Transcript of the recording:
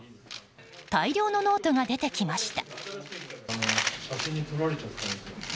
大量のノートが出てきました。